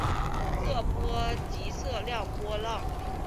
测波即测量波浪。